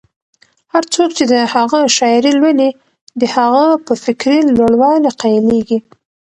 هر څوک چې د هغه شاعري لولي، د هغه په فکري لوړوالي قایلېږي.